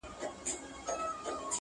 ددې ښكلا!